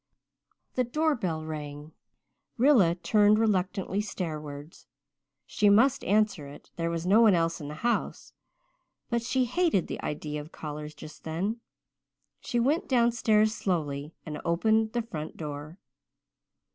The door bell rang, Rilla turned reluctantly stairwards. She must answer it there was no one else in the house; but she hated the idea of callers just then. She went downstairs slowly, and opened the front door.